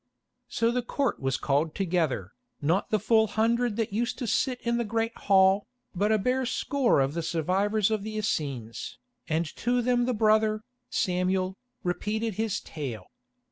So the Court was called together, not the full hundred that used to sit in the great hall, but a bare score of the survivors of the Essenes, and to them the brother, Samuel, repeated his tale.